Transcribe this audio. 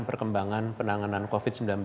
perkembangan penanganan covid sembilan belas